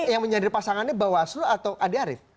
yang menyandra pasangannya bawaslu atau adi arief